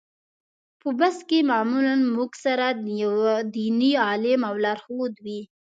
په بس کې معمولا موږ سره یو دیني عالم او لارښود وي.